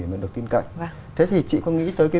mà mình được tin cạnh vâng thế thì chị có nghĩ tới